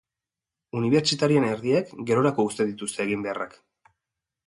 Unibertsitarien erdiek, gerorako uzten dituzte eginbeharrak.